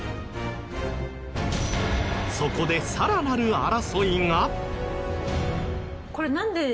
そこでさらなる争いが！？